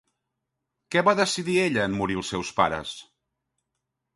Què va decidir ella en morir els seus pares?